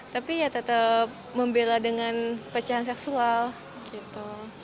tapi ya tetap membela dengan pecahan seksual gitu